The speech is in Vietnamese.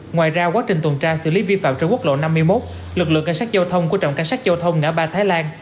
ngoài ra quá trình tuần tra xử lý vi phạm trên quốc lộ năm mươi một lực lượng cảnh sát giao thông của trạm cảnh sát giao thông ngã ba thái lan